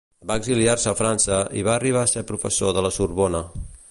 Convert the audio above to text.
Va exiliar-se a França i va arribar a ser professor de la Sorbona.